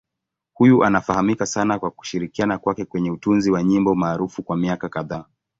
Huyu anafahamika sana kwa kushirikiana kwake kwenye utunzi wa nyimbo maarufu kwa miaka kadhaa.